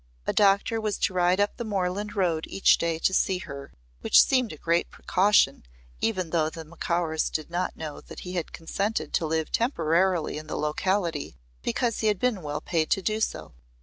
A doctor was to ride up the moorland road each day to see her, which seemed a great precaution even though the Macaurs did not know that he had consented to live temporarily in the locality because he had been well paid to do so.